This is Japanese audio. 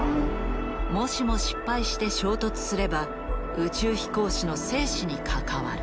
もしも失敗して衝突すれば宇宙飛行士の生死に関わる。